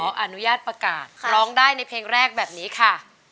อนุญาตประกาศร้องได้ในเพลงแรกแบบนี้ค่ะ